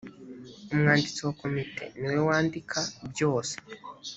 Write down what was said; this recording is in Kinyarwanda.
umwanditsi wa komite niwe wandika byose.